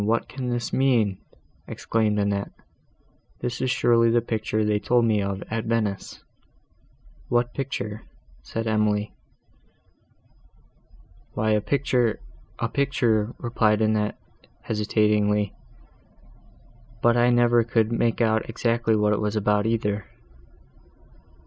what can this mean?" exclaimed Annette. "This is surely the picture they told me of at Venice." "What picture?" said Emily. "Why a picture—a picture," replied Annette, hesitatingly—"but I never could make out exactly what it was about, either."